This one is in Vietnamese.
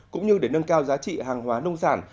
cũng như để nâng cao giá trị hàng hóa nông sản